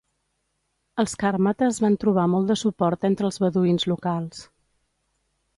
Els càrmates van trobar molt de suport entre els beduïns locals.